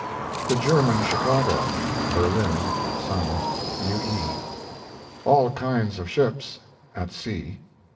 THE GERMAN CHICAGO (Berlin Sun.) U. E. ALL KINDS OF SHIPS (at sea).